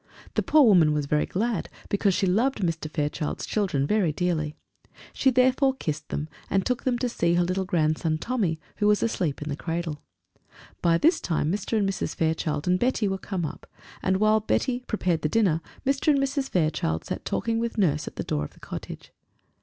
The poor woman was very glad, because she loved Mr. Fairchild's children very dearly; she therefore kissed them, and took them to see her little grandson Tommy, who was asleep in the cradle. By this time Mr. and Mrs. Fairchild and Betty were come up, and whilst Betty prepared the dinner, Mr. and Mrs. Fairchild sat talking with Nurse at the door of the cottage.